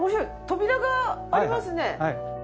扉がありますね。